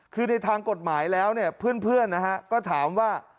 คือในทางกฎหมายแล้วเนี่ยเพื่อนนะฮะก็ถามว่า